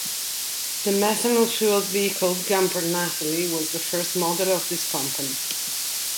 The methanol fueled vehicle Gumpert Nathalie was the first model of this company.